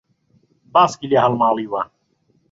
باسکی لێ هەڵماڵیوە